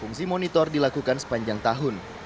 fungsi monitor dilakukan sepanjang tahun